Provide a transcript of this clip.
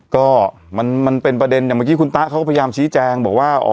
ก็มันเป็นประเด็นอย่างเมื่อกี้คุณตะเขาก็พยายามชี้แจงบอกว่า